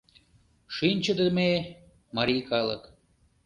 Шинчыдыме марий калык